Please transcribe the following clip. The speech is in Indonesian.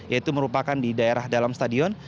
yaitu merupakan di daerah dalam stadion